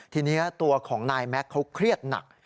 ทีนี้ตัวของนายแม็กซ์เขาเครียดหนัก